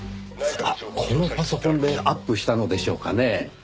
あっこのパソコンでアップしたのでしょうかねぇ？